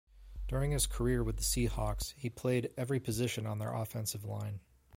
During his career with the Seahawks, he played every position on their offensive line.